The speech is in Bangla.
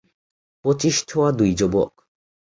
পঁচিশ ছোয়া দুই যুবক।